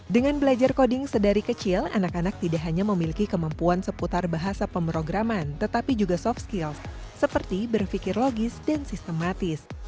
dengan belajar coding sedari kecil anak anak tidak hanya memiliki kemampuan seputar bahasa pemrograman tetapi juga soft skills seperti berpikir logis dan sistematis